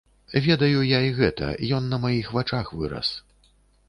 Ведаю я і гэта, ён на маіх вачах вырас.